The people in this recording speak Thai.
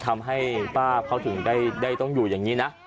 ทำให้ป้าเขาถึงได้ต้องอยู่อย่างนี้นะ